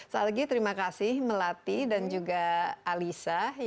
setelah itu terima kasih melati dan juga alisa